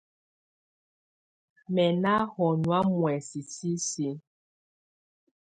Mɛ́ ná hɔnyɔ̀á muɛsɛ sisiǝ.